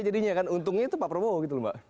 jadinya kan untungnya itu pak prabowo gitu loh mbak